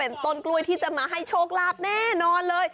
เป็นต้นกล้วยที่จะมาให้โชคลาภแน่นอนเลย